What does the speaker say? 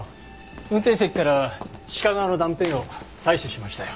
運転席から鹿革の断片を採取しましたよ。